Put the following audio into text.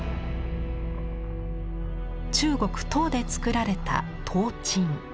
中国・唐で作られた陶枕。